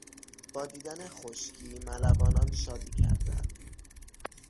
با دیدن خشکی ملوانان شادی کردند.